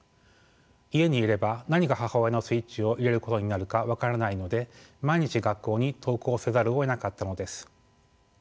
家にいれば何が母親のスイッチを入れることになるか分からないので毎日学校に登校せざるをえなかったのです。